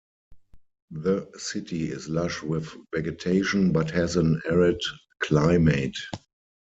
The city is lush with vegetation, but has an arid climate.